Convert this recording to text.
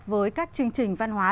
với các chương trình văn hóa